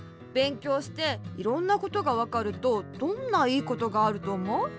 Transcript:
べんきょうしていろんなことがわかるとどんないいことがあるとおもう？